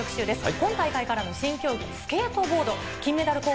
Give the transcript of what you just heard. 今大会からの新競技、スケートボード。